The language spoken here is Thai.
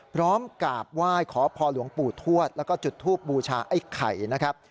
พร้อมกราบไหว้ขอพรหลวงปู่ทวดแล้วก็จุดทูบบูชาไอ้ไข่นะครับ